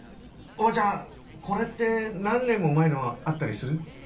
おばちゃんこれって何年も前のあったりする？